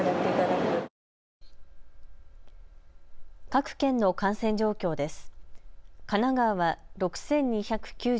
各県の感染状況です。